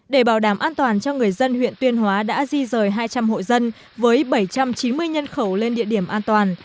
để bảo đảm an toàn cho người dân huyện tuyên hóa đã di rời hai trăm linh hộ dân với bảy trăm chín mươi nhân khẩu lên địa điểm an toàn